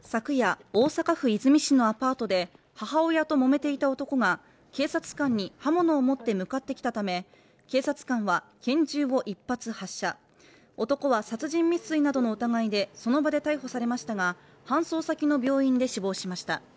昨夜、大阪府和泉市のアパートで母親ともめていた男が警察官に刃物を持って向かってきたため、警察官は拳銃を１発発射男は殺人未遂などの疑いでその場で逮捕されましたが、搬送先の病院で死亡しました。